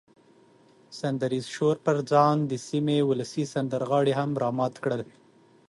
سندریز شور پر ځان د سیمې ولسي سندرغاړي هم را مات کړه.